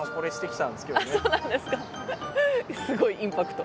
すごいインパクト！